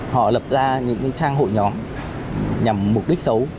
họ lập ra những trang hội nhóm nhằm mục đích xấu